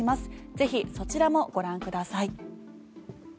ぜひそちらもご覧ください。